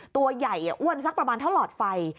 ตัวใหญ่อ้วนสักประมาณเท่าหลอดไฟ